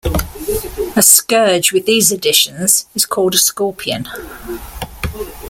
A scourge with these additions is called a scorpion.